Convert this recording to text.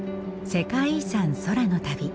「世界遺産空の旅」。